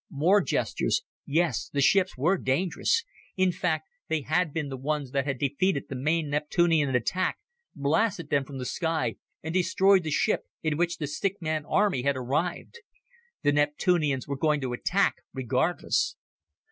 More gestures. Yes, the ships were dangerous. In fact, they had been the ones that had defeated the main Neptunian attack, blasted them from the sky and destroyed the ship in which the stick man army had arrived. The Neptunians were going to attack, regardless.